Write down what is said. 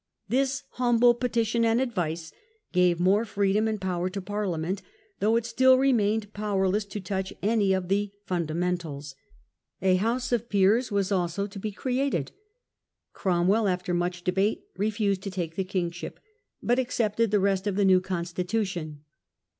This " Humble Petition and Advice" gave more freedom and power to Parliament, though it still remained powerless to touch any of the " fundamentals ". A house of Peers was also to be created. Cromwell, after much debate, refused to take the kingship, but accepted the rest of the new constitution.